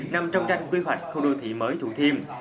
nằm trong tranh quy hoạch khu đô thị mới thủ thiêm